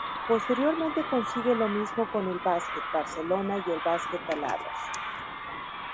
Posteriormente consigue lo mismo con el Basket Barcelona y el Basket Taladros.